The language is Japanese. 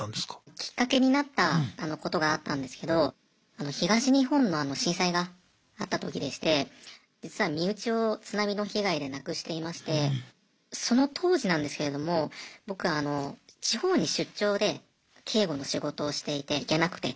きっかけになったことがあったんですけど東日本の震災があった時でして実は身内を津波の被害で亡くしていましてその当時なんですけれども僕あの地方に出張で警護の仕事をしていて行けなくて。